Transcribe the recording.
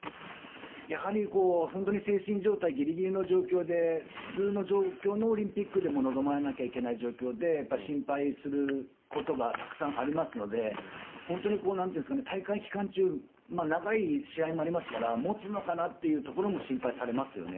やはり本当に精神状態、ギリギリの状態で普通の状況のオリンピックでも臨まなきゃいけない状況で心配することがたくさんありますので本当に大会期間中長い試合もありますから持つのかなというところも心配されますよね。